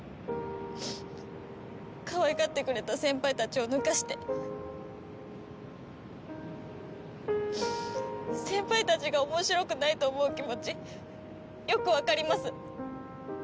かわいがってくれた先輩たちを抜かして先輩たちが面白くないと思う気持ちよくわかります